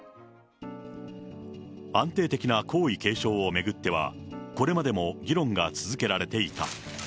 安定的な皇位継承を巡っては、これまでも議論が続けられていた。